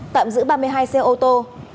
tạm giữ ba mươi hai xe ô tô